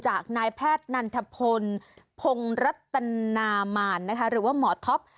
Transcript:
นายแพทย์นันทพลพงรัตนามารหรือว่าหมอท็อป